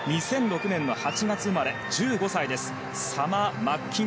２００６年の８月生まれ１５歳です。